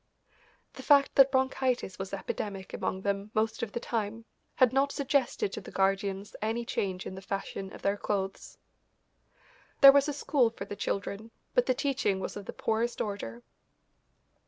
The fact that bronchitis was epidemic among them most of the time had not suggested to the guardians any change in the fashion of their clothes. There was a school for the children, but the teaching was of the poorest order.